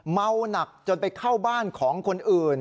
เมาหนักจนไปเข้าบ้านของคนอื่น